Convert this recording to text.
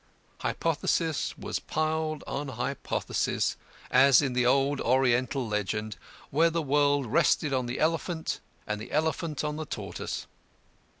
Hypothesis was piled on hypothesis, as in the old Oriental legend, where the world rested on the elephant and the elephant on the tortoise.